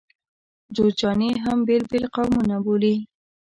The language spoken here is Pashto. جوزجاني هم بېل بېل قومونه بولي.